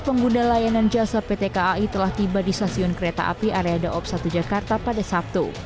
tiga puluh sembilan lima ratus pengguna layanan jasa pt kai telah tiba di stasiun kereta api area daob satu jakarta pada sabtu